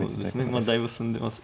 まあだいぶ進んでます。